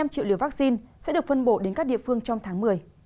ba mươi năm triệu liều vaccine sẽ được phân bổ đến các địa phương trong tháng một mươi